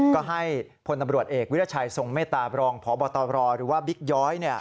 ก็ให้พลตำรวจเอกวิรัชัยทรงเมตตาบรองพบตรหรือว่าบิ๊กย้อย